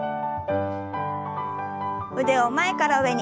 腕を前から上に。